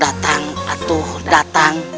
datang atu datang